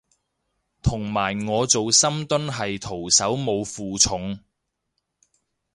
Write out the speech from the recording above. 同埋我做深蹲係徒手冇負重